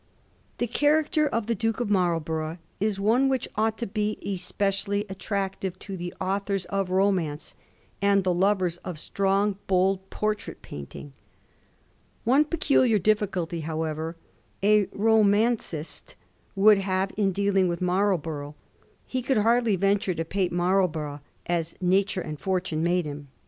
The character of the Duke of Marlborough is one which ought to be especially attractive to the authors of romance and the lovers of strong bold portrait painting. One peculiar difficulty, however, a roman cist would have in dealing with Marlborough — he could hardly venture to paint Marlborough as nature and fortune made him.